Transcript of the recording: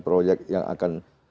proyek yang akan